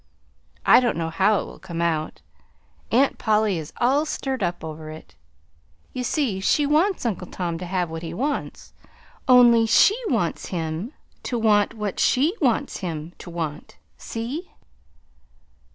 I don't know how it will come out. Aunt Polly is all stirred up over it. You see, she wants Uncle Tom to have what he wants, only she wants him to want what she wants him to want. See?"